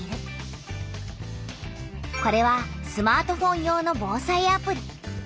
これはスマートフォン用の「防災アプリ」。